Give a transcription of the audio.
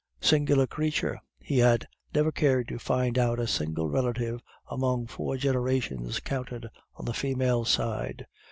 "Singular creature, he had never cared to find out a single relative among four generations counted on the female side.